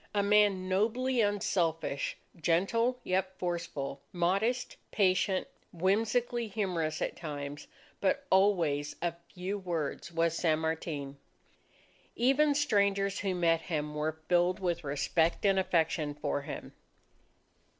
A man nobly unselfish, gentle yet forceful, modest, patient, whimsically humorous at times, but always of few words was San Martin. Even strangers who met him were filled with respect and affection for him.